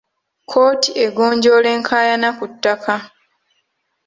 Kkooti egonjoola enkaayana ku ttaka.